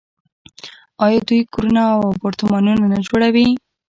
آیا دوی کورونه او اپارتمانونه نه جوړوي؟